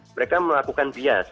mereka melakukan bias